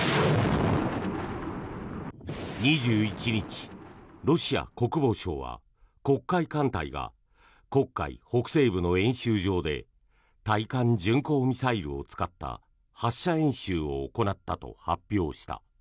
２１日、ロシア国防省は黒海艦隊が黒海北西部の演習場で対艦巡航ミサイルを使った発射演習を行ったと発表した。